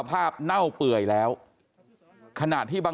พ่อขออนุญาต